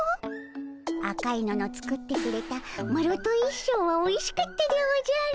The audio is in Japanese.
赤いのの作ってくれたマロと一緒ぉはおいしかったでおじゃる。